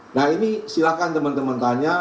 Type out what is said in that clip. nah ini silahkan teman teman tanya